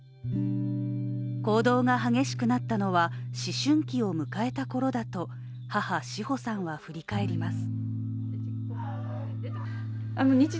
行動が激しくなったのは、思春期を迎えたころだと母・志穂さんは振り返ります。